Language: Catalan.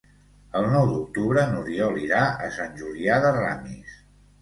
El nou d'octubre n'Oriol irà a Sant Julià de Ramis.